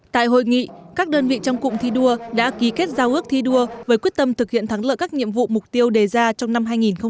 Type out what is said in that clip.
tại hội nghị các đơn vị trong cụm thi đua đã ký kết giao ước thi đua với quyết tâm thực hiện thắng lợi các nhiệm vụ mục tiêu đề ra trong năm hai nghìn hai mươi